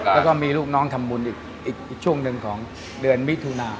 แล้วก็มีลูกน้องทำบุญอีกช่วงหนึ่งของเดือนมิถุนา